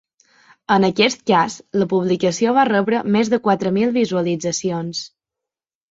En aquest cas, la publicació va rebre més de quatre mil visualitzacions.